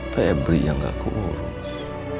pebri yang gak kurus